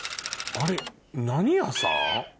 あれ何屋さん？